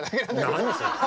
何それ。